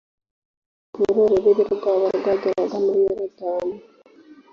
inyaruguru zimwe mu ngabo zo ku ngoma ya kirima